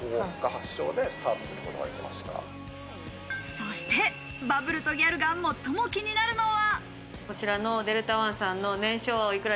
そしてバブルとギャルが最も気になるのは。